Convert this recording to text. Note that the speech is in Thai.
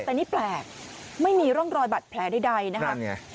แต่นี่แปลกไม่มีร่องรอยบัตรแผลใดนะครับ